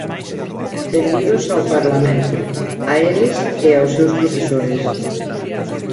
Benvidos ao Parlamento, a eles e aos seus profesores.